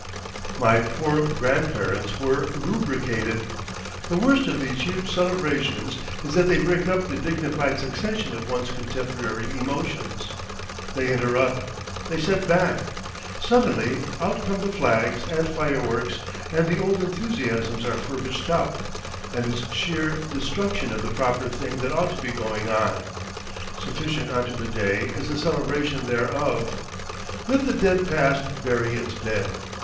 My poor grandparents were—rubricated. The worst of these huge celebrations is that they break up the dignified succession of one's contemporary emotions. They interrupt. They set back. Suddenly out come the flags and fireworks, and the old enthusiasms are furbished up—and it's sheer destruction of the proper thing that ought to be going on. Sufficient unto the day is the celebration thereof. Let the dead past bury its dead.